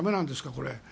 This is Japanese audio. これ。